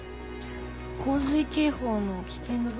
洪水警報の危険度分布の。